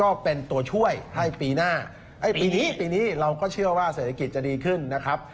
ก็เป็นตัวช่วยให้ปีหน้าให้ปีนี้ปีนี้เราก็เชื่อว่าเศรษฐกิจจะดีขึ้นนะครับ